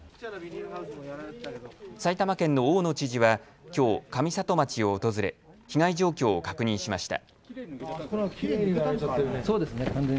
埼玉県の大野知事はきょう上里町を訪れ被害状況を確認しました。